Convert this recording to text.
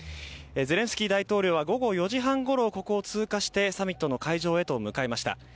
ゼレンスキー大統領は午後４時半ごろ、ここを通過してサミットの会場へと向かいました。